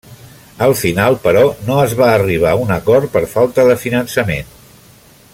Al final però no es va arribar a un acord per falta de finançament.